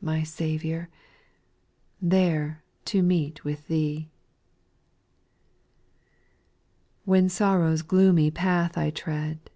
My Saviour I there to meet with Thee. 5. When sorrow's gloomy path I tread.